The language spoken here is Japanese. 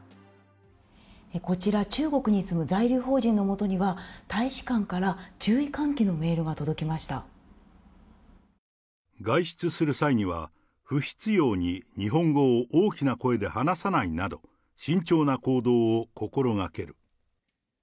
こちら中国に住む在留邦人の下には、大使館から注意喚起のメ外出する際には、不必要に日本語を大きな声で話さないなど、慎重な行動を心がける。